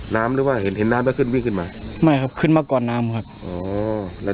น้ำหรือว่าเห็นน้ำก็ขึ้นวิ่งขึ้นมาไม่ครับขึ้นมาก่อนน้ำครับอ๋อ